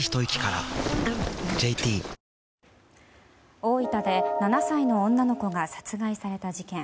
大分で７歳の女の子が殺害された事件。